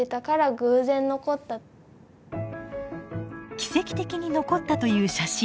奇跡的に残ったという写真。